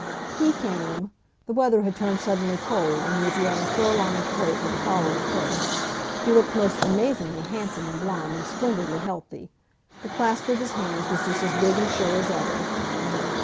He came. The weather had turned suddenly cold and he was wearing a fur lined coat with a collar of fur. He looked most amazingly handsome and blond and splendidly healthy. The clasp of his hands was just as big and sure as ever.